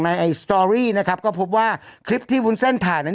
ในสตอรี่นะครับก็พบว่าคลิปที่วุ้นเส้นถ่ายนั้น